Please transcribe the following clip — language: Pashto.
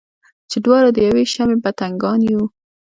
چې دواړه د یوې شمعې پتنګان یو.